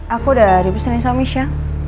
aku udah dibesanin sama misha